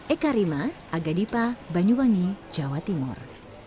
eka rima aga dipa banyuwangi jawa timur